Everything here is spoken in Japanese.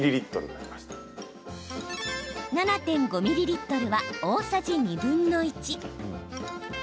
７．５ミリリットルは大さじ２分の１。